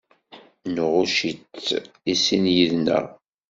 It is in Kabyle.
Nɣucc-itt i sin yid-nneɣ.